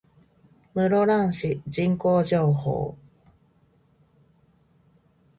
室蘭市人口情報